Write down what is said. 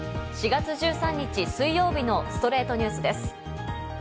４月１３日、水曜日の『ストレイトニュース』です。